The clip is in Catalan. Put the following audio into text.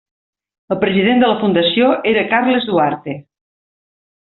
El president de la fundació era Carles Duarte.